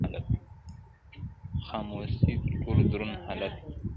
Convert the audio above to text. خاموسي تر ټولو دروند حالت دی،